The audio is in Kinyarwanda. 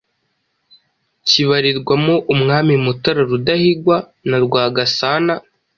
kibarirwamo Umwami Mutara Rudahigwa na Rwagasana.